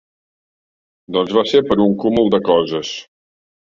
Doncs va ser per un cúmul de coses.